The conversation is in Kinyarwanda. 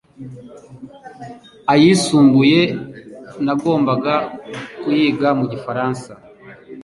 ayisumbuye nagombaga kuyiga mu Gifaransa.